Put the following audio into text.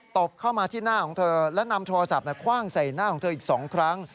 บเข้ามาที่หน้าของเธอและนำโทรศัพท์คว่างใส่หน้าของเธออีก๒ครั้ง